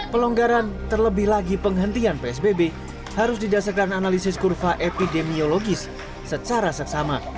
pelonggaran terlebih lagi penghentian psbb harus didasarkan analisis kurva epidemiologis secara seksama